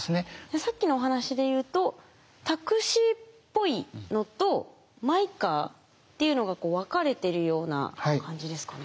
さっきのお話で言うとタクシーっぽいのとマイカーっていうのが分かれてるような感じですかね？